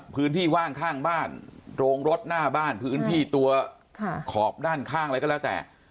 ว่างข้างบ้านโรงรถหน้าบ้านพื้นที่ตัวขอบด้านข้างอะไรก็แล้วแต่